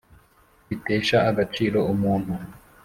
bitesha agaciro umuntu